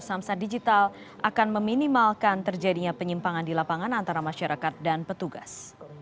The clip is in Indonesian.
samsat digital akan meminimalkan terjadinya penyimpangan di lapangan antara masyarakat dan petugas